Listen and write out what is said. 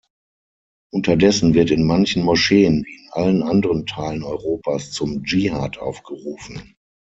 Unterdessen wird in manchen Moscheen, wie in allen anderen Teilen Europas, zum Dschihad aufgerufen.